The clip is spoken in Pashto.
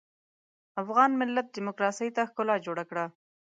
افغان ملت ډيموکراسۍ ته ښکلا جوړه کړه.